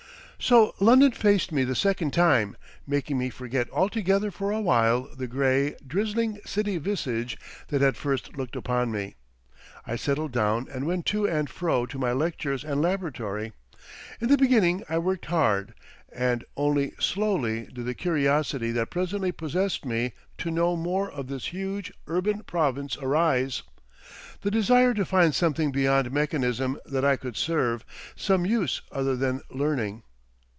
So London faced me the second time, making me forget altogether for a while the grey, drizzling city visage that had first looked upon me. I settled down and went to and fro to my lectures and laboratory; in the beginning I worked hard, and only slowly did the curiosity that presently possessed me to know more of this huge urban province arise, the desire to find something beyond mechanism that I could serve, some use other than learning.